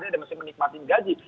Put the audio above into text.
dia masih menikmati gaji